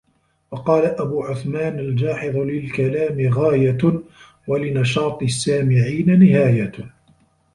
وَقَالَ أَبُو عُثْمَانَ الْجَاحِظُ لِلْكَلَامِ غَايَةٌ ، وَلِنَشَاطِ السَّامِعِينَ نِهَايَةٌ